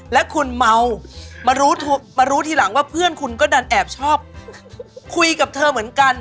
และคุณเมามารู้มารู้ทีหลังว่าเพื่อนคุณก็ดันแอบชอบคุยกับเธอเหมือนกัน